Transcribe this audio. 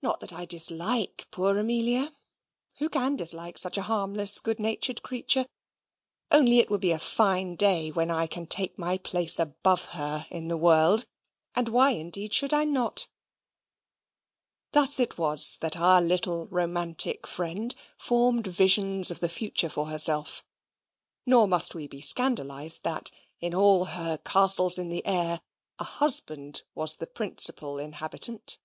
Not that I dislike poor Amelia: who can dislike such a harmless, good natured creature? only it will be a fine day when I can take my place above her in the world, as why, indeed, should I not?" Thus it was that our little romantic friend formed visions of the future for herself nor must we be scandalised that, in all her castles in the air, a husband was the principal inhabitant.